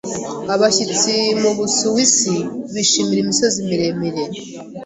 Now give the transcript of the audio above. Abashyitsi mu Busuwisi bishimira imisozi miremire.